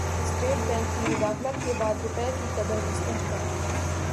state bank کی مداخلت کے بعد روپے کی قدر مستحکم